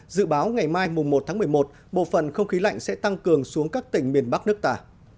dự báo ngày mai một tháng một mươi một bộ phận không khí lạnh sẽ tăng cường xuống các tỉnh miền bắc nước ta